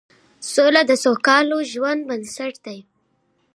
سوله د سوکاله ژوند بنسټ دی